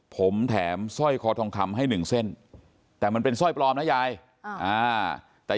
ผมแถมสร้อยคอทองคำให้หนึ่งเส้นแต่มันเป็นสร้อยปลอมนะยายแต่